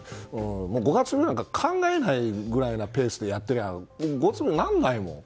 五月病なんか考えないぐらいのペースでやってれば五月病にならないもん。